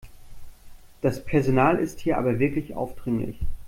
Das Personal ist hier aber wirklich aufdringlich.